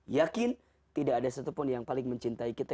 yakin tidak ada satupun yang paling mencintai kita